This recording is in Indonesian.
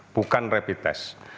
bukan rapid test